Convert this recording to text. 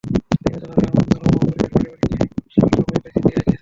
নির্বাচনের রমরমা পরিবেশ বাড়ি-বাড়ি গিয়ে ভোট চাওয়া সবই এখন স্মৃতি হয়ে গেছে।